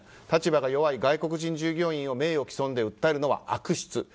立場が弱い外国人従業員を名誉毀損で訴えるのは悪質。